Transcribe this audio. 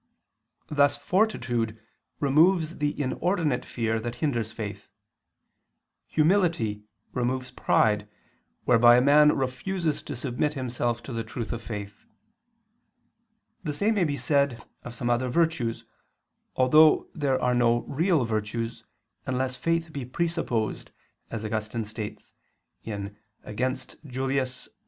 Thus fortitude removes the inordinate fear that hinders faith; humility removes pride, whereby a man refuses to submit himself to the truth of faith. The same may be said of some other virtues, although there are no real virtues, unless faith be presupposed, as Augustine states (Contra Julian.